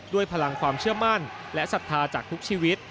พลังความเชื่อมั่นและศรัทธาจากทุกชีวิต